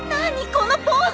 このポーズ！